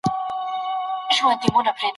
که ذهن دي ګډوډ وي نو لیکنه مه کوه.